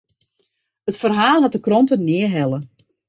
It ferhaal hat de krante nea helle.